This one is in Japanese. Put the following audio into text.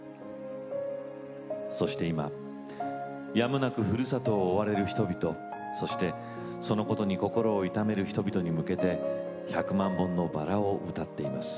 そして今、やむなくふるさとを追われる人々そして、そのことに心を痛める人々に向けて「百万本のバラ」を歌っています。